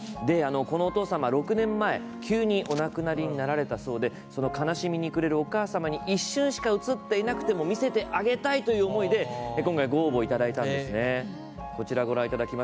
このお父さん、６年前急にお亡くなりになられたそうでその悲しみに暮れるお母様に一瞬しか映っていなくても見せてあげたいという思いでご応募いただいたんですね。